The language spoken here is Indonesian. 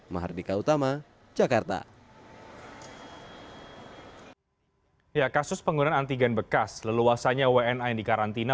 mahardika utama jakarta